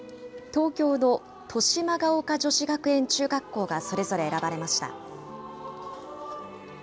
東京の豊島岡女子学園中学校がそれぞれ選ばれました。